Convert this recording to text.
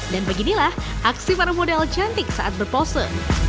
dan beginilah aksi para model cantik saat berpose